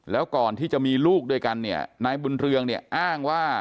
แล้วก่อนที่จะมีลูกด้วยกันนายบุญเรืองอ้างว่า